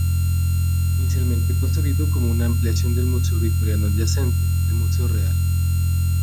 Inicialmente concebido como una ampliación del museo victoriano adyacente, el Museo Real.